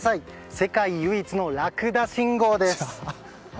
世界唯一のラクダ信号です。